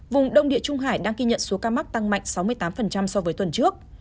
vùng đông địa trung hải đang ghi nhận số ca mắc tăng mạnh sáu mươi tám so với tuần trước